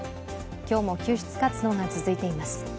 今日も救出活動が続いています。